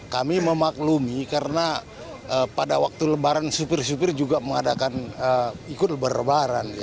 kami memaklumi karena pada waktu lebaran supir supir juga mengadakan ikut lebaran